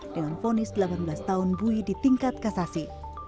dengan fonis delapan belas tahun bui di tingkat kasasi